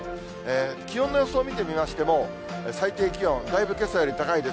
気温の予想見てみましても、最低気温、だいぶけさより高いです。